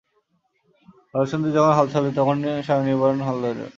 হরসুন্দরী যখন হাল ছাড়িল, তখন স্বয়ং নিবারণ হাল ধরিল।